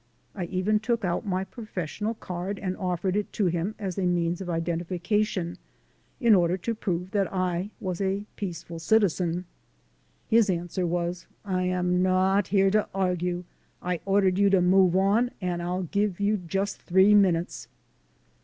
I even took out my professional card and offered it to him as a means of identification, in order to prove that I was a peaceful citizen. His answer was: "I am not here to argue; I ordered you to move on and I'll give you just three minutes."